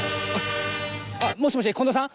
あっもしもし近藤さん？